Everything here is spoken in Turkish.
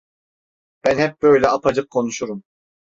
Ben hep böyle apaçık konuşurum…